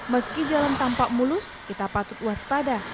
meski jalan tampak mulus kita patut waspada